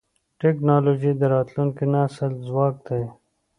ټکنالوجي د راتلونکي نسل ځواک دی.